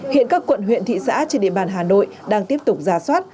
hiện các quận huyện thị xã trên địa bàn hà nội đang tiếp tục ra soát